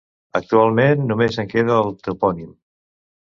Actualment només en queda el topònim.